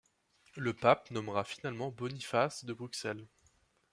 Le pape nommera finalement Boniface de Bruxelles.